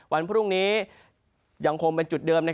วันพรุ่งนี้ยังคงเป็นจุดเดิม